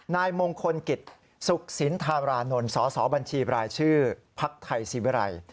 นายมงคลกิจสุขสินธารานนท์สสบัญชีบรายชื่อภักดิ์ไทยศิวิรัย